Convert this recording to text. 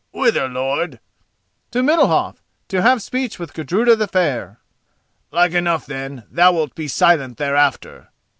"Whither, lord?" "To Middalhof, to have speech with Gudruda the Fair." "Like enough, then, thou wilt be silent thereafter."